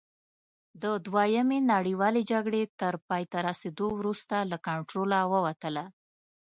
د دویمې نړیوالې جګړې تر پایته رسېدو وروسته له کنټروله ووتله.